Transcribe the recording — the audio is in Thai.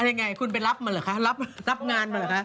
อะไรอย่างไรคุณไปรับมันเหรอคะรับงานมันเหรอคะ